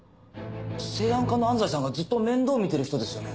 生安課の安斎さんがずっと面倒を見てる人ですよね？